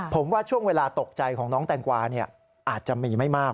ผมว่าช่วงเวลาตกใจของน้องแตงกวาอาจจะมีไม่มาก